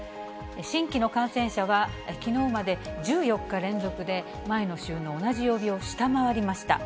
新規の感染者はきのうまで１４日連続で前の週の同じ曜日を下回りました。